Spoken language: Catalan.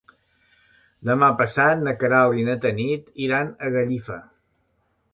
Demà passat na Queralt i na Tanit iran a Gallifa.